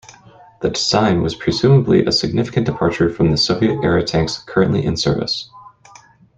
The design was presumably a significant departure from the Soviet-era tanks currently in service.